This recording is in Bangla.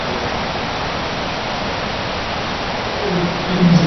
সকালে উঠিয়া সে শশীর সঙ্গে দেখা করিতে আসিল।